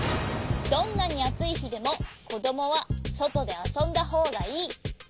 「どんなにあついひでもこどもはそとであそんだほうがいい」。